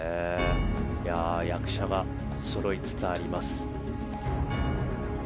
役者がそろいつつあります。